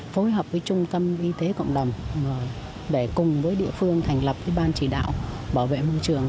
phối hợp với trung tâm y tế cộng đồng để cùng với địa phương thành lập ban chỉ đạo bảo vệ môi trường